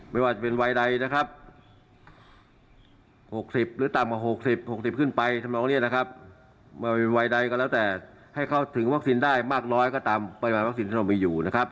ไม่ว่าจะเป็นวัยใดนะครับ๖๐หรือต่ำกว่า๖๐๖๐ขึ้นไปทำนองนี้นะครับไม่ว่าวัยใดก็แล้วแต่ให้เขาถึงวัคซีนได้มากน้อยก็ตามปริมาณวัคซีนที่เรามีอยู่นะครับ